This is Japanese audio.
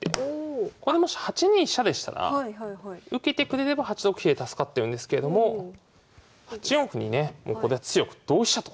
ここでもし８二飛車でしたら受けてくれれば８六飛で助かってるんですけれども８四歩にね強く同飛車と。